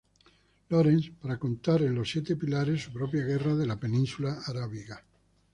Lawrence para contar en "Los Siete Pilares" su propia guerra de la península arábiga.